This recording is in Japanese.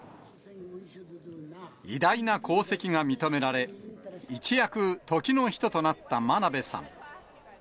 偉大な功績が認められ、一躍、時の人となった真鍋さん。